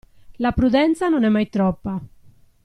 La prudenza non è mai troppa.